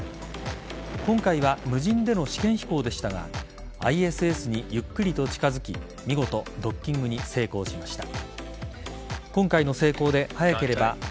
今回は無人での試験飛行でしたがＩＳＳにゆっくりと近づき見事、ドッキングに成功しました。